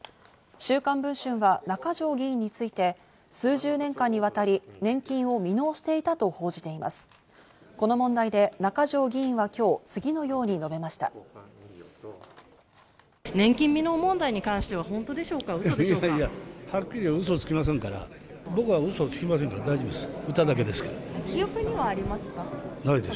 『週刊文春』は中条議員について数十年間にわたり、年金を未納していたと報じています。